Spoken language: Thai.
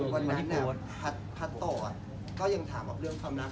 วันนั้นพัดต่อก็ยังถามแบบเรื่องความรัก